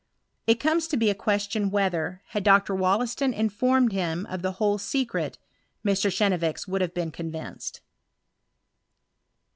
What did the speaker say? It comes to be a question whether, had Dr. WollEiston informed him of the whole secret, Mr. Chenevix would have been convinced.